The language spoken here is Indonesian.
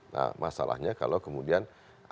nah masalahnya kalau kemudian